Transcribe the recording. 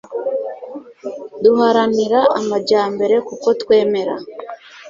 duharanira amajyambere kuko twemera